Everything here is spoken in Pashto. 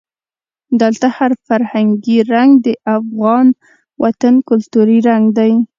دلته هر فرهنګي رنګ د افغان وطن کلتوري رنګ دی.